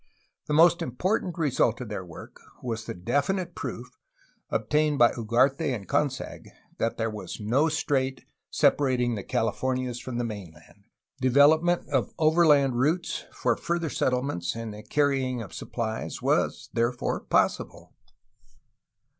The most important result of their work was the definite proof, obtained by Ugarte and Consag that there was no strait separating the Calif ornias from the mainland; development of overland routes for further settlements and the carrying of supplies was therefore possible.